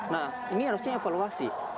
nah ini harusnya evaluasi